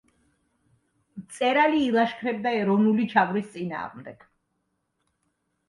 მწერალი ილაშქრებდა ეროვნული ჩაგვრის წინააღმდეგ.